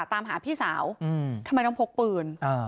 ตามหาพี่สาวทำไมต้องพกปืน